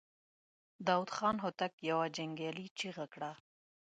د داوود خان هوتک يوه جنګيالې چيغه کړه.